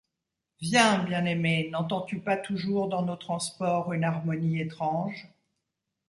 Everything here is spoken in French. Viens! bien-aimé ! n’entends-tu pas toujours Dans nos transports une harmonie étrange?